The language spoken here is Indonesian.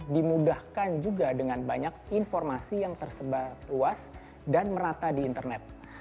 dimudahkan juga dengan banyak informasi yang tersebar luas dan merata di internet